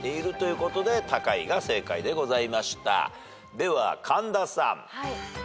では神田さん。